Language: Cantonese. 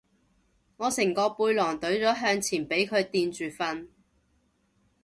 我成個背囊隊咗向前俾佢墊住瞓